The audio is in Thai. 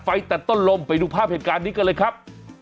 ตัดต้นลมไปดูภาพเหตุการณ์นี้กันเลยครับ